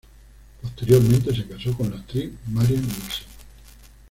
Posteriormente se casó con la actriz Marian Nixon.